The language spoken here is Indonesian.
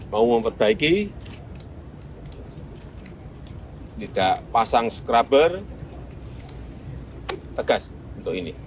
mau memperbaiki tidak pasang scrubber tegas untuk ini